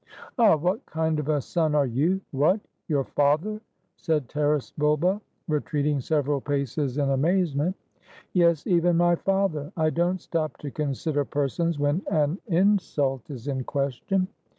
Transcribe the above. "Ah, what kind of a son are you? — what, your father!" said Taras Bulba, retreating several paces in amazement. "Yes, even my father, I don't stop to consider per sons when an insult is in question."